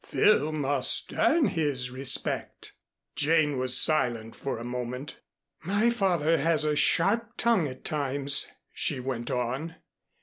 "Phil must earn his respect." Jane was silent for a moment. "My father has a sharp tongue at times," she went on.